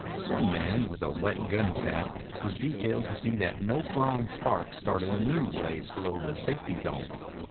One man, with a wet gunnysack, was detailed to see that no flying sparks started a new blaze below the safety zone.